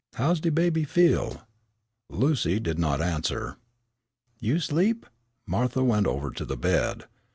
How's de baby feel?" Lucy did not answer. "You sleep?" Martha went over to the bed.